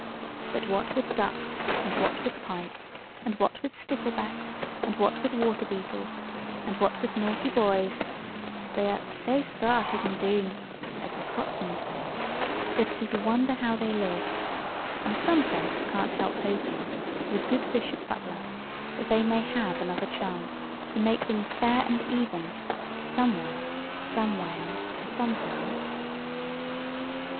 But what with ducks, and what with pike, and what with sticklebacks, and what with water beetles, and what with naughty boys, they are "sae sair hadden doun," as the Scotsmen say, that it is a wonder how they live; and some folks can't help hoping, with good Bishop Butler, that they may have another chance, to make things fair and even, somewhere, somewhen, somehow.